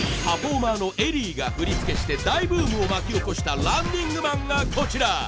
パフォーマーのＥＬＬＹが振り付けして大ブームを巻き起こしたランニングマンがこちら。